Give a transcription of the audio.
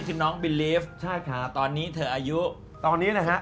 แขกรับเชิญตัวน้อยนะครับ